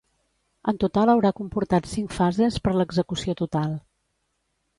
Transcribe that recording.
En total haurà comportat cinc fases per l'execució total.